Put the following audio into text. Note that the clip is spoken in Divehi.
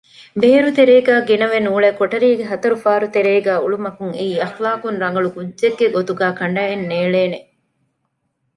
ބޭރުތެރޭގައި ގިނަވެ ނޫޅެ ކޮޓަރީގެ ހަތަރު ފާރުތެރޭގައި އުޅުމަކުން އެއީ އަޚްލާޤްރަނގަޅު ކުއްޖެއްގެ ގޮތުގައި ކަނޑައެއް ނޭޅޭނެ